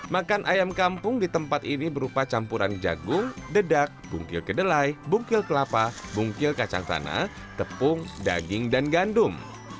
makan ayam kampung di tempat ini berupa campuran jagung dedak bungkil kedelai bungkil kelapa bungkil kacang tanah tepung daging dan gandum